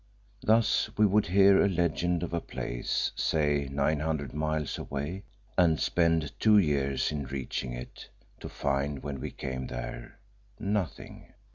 Thus we would hear a legend of a place, say nine hundred miles away, and spend two years in reaching it, to find when we came there, nothing.